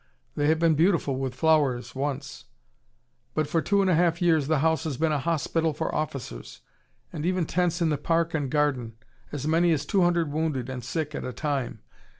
They have been beautiful with flowers, once. But for two and a half years the house has been a hospital for officers and even tents in the park and garden as many as two hundred wounded and sick at a time.